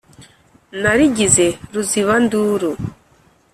narigize ruzibanduru